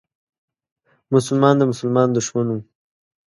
مسلمان د مسلمان دښمن و.